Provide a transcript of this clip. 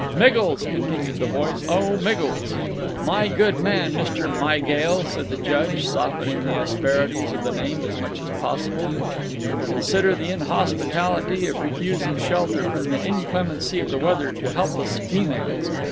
"Miggles!" continued the voice. "O Miggles!" "My good man! Mr. Myghail!" said the Judge, softening the asperities of the name as much as possible. "Consider the inhospitality of refusing shelter from the inclemency of the weather to helpless females.